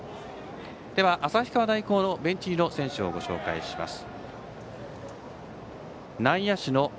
では旭川大高のベンチ入り選手をご紹介します。